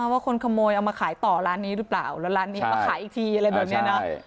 ว่าคนขโมยเอามาขายต่อร้านนี้หรือเปล่าแล้วร้านนี้มาขายอีกทีอะไรแบบนี้นะ